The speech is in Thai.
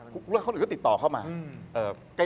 ก็ค่อยเขาก็ติดต่อเข้ามา